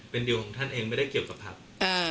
เป็นดิวของท่านเองไม่ได้เกี่ยวกับภักดิ์